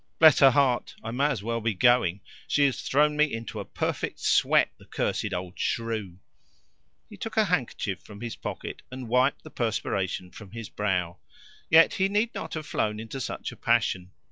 "Bless her heart, I may as well be going. She has thrown me into a perfect sweat, the cursed old shrew!" He took a handkerchief from his pocket, and wiped the perspiration from his brow. Yet he need not have flown into such a passion.